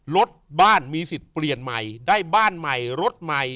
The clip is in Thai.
รถบ้านมีสิทธิ์เปลี่ยนใหม่ได้บ้านใหม่รถใหม่